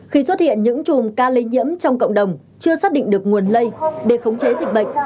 khi xuất hiện những chùm ca lây nhiễm trong cộng đồng chưa xác định được nguồn lây để khống chế dịch bệnh